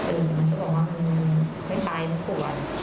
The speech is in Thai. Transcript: อือมันจะบอกว่ามันไม่ตายทุกคน